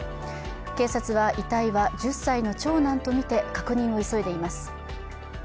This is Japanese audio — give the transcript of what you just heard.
警察は遺体は１０歳の長男とみて確認を急いでいます。